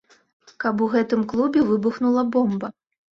Каб у гэтым клубе выбухнула бомба!